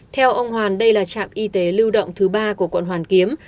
theo ông hoàn đây là trạm y tế lưu động thứ ba của quận hoàn kiếm